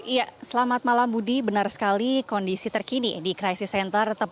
iya selamat malam budi benar sekali kondisi terkini di crisis center